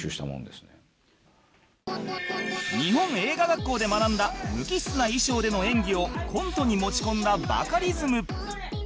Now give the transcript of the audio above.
日本映画学校で学んだ無機質な衣装での演技をコントに持ち込んだバカリズム